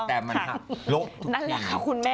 แต่มันหลบทุกอย่างนั่นแหละคุณแม่